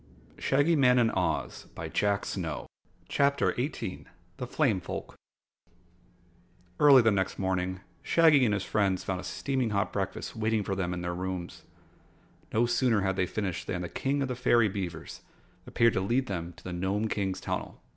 "It's the music of running water." CHAPTER 18 The Flame Folk Early the next morning Shaggy and his friends found a steaming hot breakfast waiting for them in their rooms. No sooner had they finished than the King of the Fairy Beavers appeared to lead them to the Nome King's tunnel.